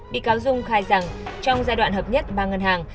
bị cáo dung khai rằng trong giai đoạn hợp nhất ba ngân hàng